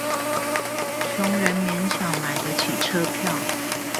窮人勉強買得起車票